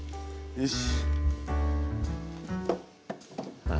よし！